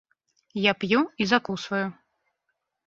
Я п'ю і закусваю.